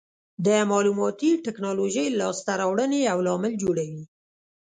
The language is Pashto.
د معلوماتي ټکنالوژۍ لاسته راوړنې یو لامل جوړوي.